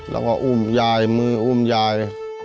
แล้วก็อุ้มยายมืออุ้มยาย